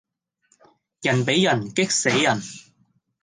人比人激死人